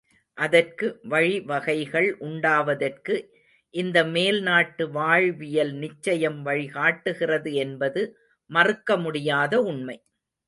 அதற்கு வழிவகைகள் உண்டாவதற்கு இந்த மேல் நாட்டு வாழ்வியல் நிச்சயம் வழிகாட்டுகிறது என்பது மறுக்க முடியாத உண்மை.